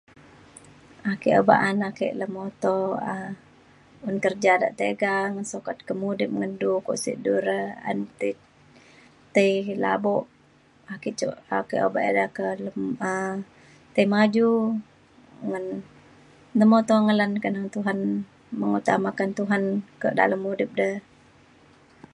ake obak anak ke lemuto um un kerja de tiga ngan sukat ke mudip ngen du kuak sek du re. ayen ti ti labuk ake cuk ake obak ida ke lem um tei maju ngan lemuto ngan le keneng Tuhan mengutamakan Tuhan kak dalem mudip de.